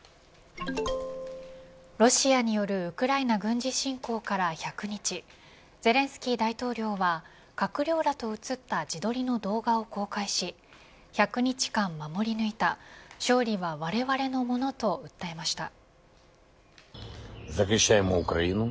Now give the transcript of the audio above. ロシアによるウクライナ軍事侵攻から１００日ゼレンスキー大統領は閣僚らと映った自撮りの動画を公開し１００日間守り抜いた勝利はわれわれのものと訴えました。